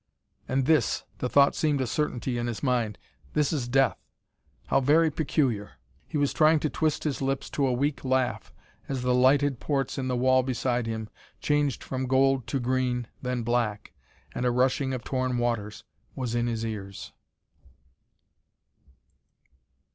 "And this," the thought seemed a certainty in his mind "this is death. How very peculiar " He was trying to twist his lips to a weak laugh as the lighted ports in the wall beside him changed from gold to green, then black and a rushing of torn waters was in his ears....